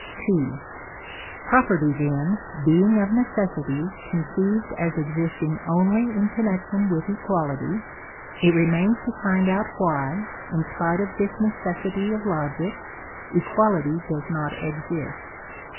II. Property, then, being of necessity conceived as existing only in connection with equality, it remains to find out why, in spite of this necessity of logic, equality does not exist.